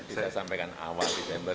saya sampaikan awal desember